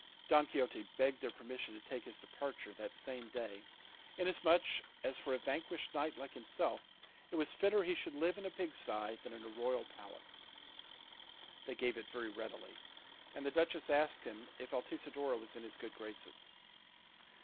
Don Quixote begged their permission to take his departure that same day, inasmuch as for a vanquished knight like himself it was fitter he should live in a pig sty than in a royal palace. They gave it very readily, and the duchess asked him if Altisidora was in his good graces.